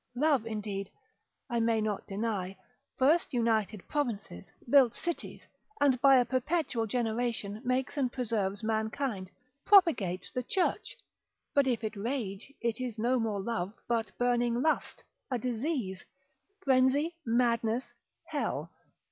Love indeed (I may not deny) first united provinces, built cities, and by a perpetual generation makes and preserves mankind, propagates the church; but if it rage it is no more love, but burning lust, a disease, frenzy, madness, hell.